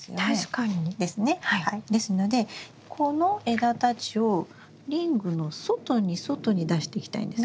ですのでこの枝たちをリングの外に外に出していきたいんです。